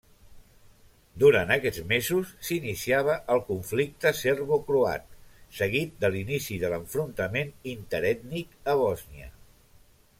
Durant aquests mesos s'iniciava el conflicte serbocroat, seguit de l'inici de l'enfrontament interètnic a Bòsnia.